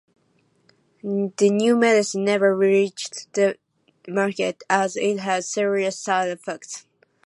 The new medicine never reached the market as it had serious side effects.